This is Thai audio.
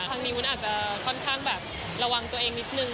วุ้นอาจจะค่อนข้างแบบระวังตัวเองนิดนึง